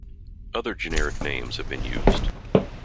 Other generic names have been used.